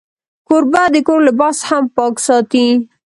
کوربه د کور لباس هم پاک ساتي.